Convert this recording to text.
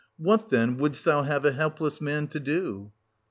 What, then, wouldst thou have a helpless man to do